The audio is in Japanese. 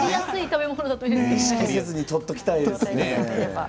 意識せずとっておきたいですね。